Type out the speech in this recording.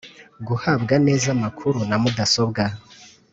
Guhabwa neza amakuru na mudasobwa